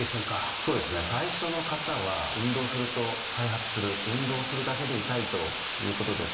そうですね最初の方は運動すると再発する運動するだけで痛いということです。